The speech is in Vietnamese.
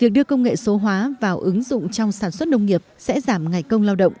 việc đưa công nghệ số hóa vào ứng dụng trong sản xuất nông nghiệp sẽ giảm ngày công lao động